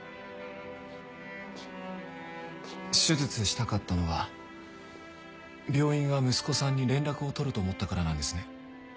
手術したかったのは病院が息子さんに連絡を取ると思ったからなんですね？